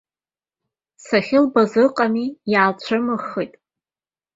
Сахьылбаз, ыҟами, иаалцәымыӷхеит.